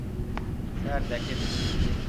Sir, দেখেনি।